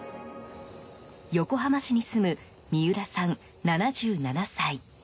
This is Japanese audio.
横浜市に住む三浦さん、７７歳。